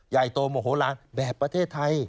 ใหญ่โตโมโหลานแบบประเทศไทย